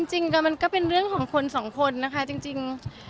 จริงมันก็เป็นเรื่องของคนสองคนนะคะจริง